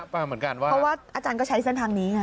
เพราะว่าอาจารย์ก็ใช้เส้นทางนี้ไง